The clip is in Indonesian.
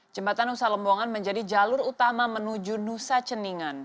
jembatan nusa lembongan menjadi jalur utama menuju nusa ceningan